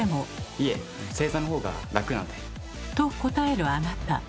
いえ正座の方が楽なので。と答えるあなた。